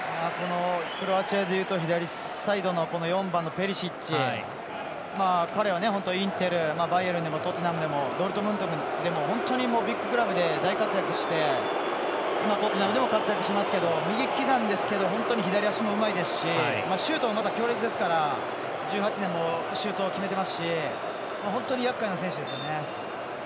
クロアチアで言うと左サイドの４番のペリシッチ彼は本当、インテルバイエルンでもトットナムでもドルトムントでも本当にビッグクラブで大活躍して、トットナムでも活躍してますけど右利きなんですけど本当に左足もうまいですしシュートも強烈ですから１８年もシュートを決めてますし本当にやっかいな選手ですよね。